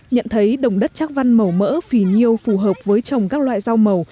nhận thấy đồng đất trắc văn màu mỡ phì nhiêu phù hợp với trồng các loại rau màu